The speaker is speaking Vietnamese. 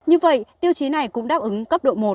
như vậy tiêu chí này cũng đáp ứng cấp độ một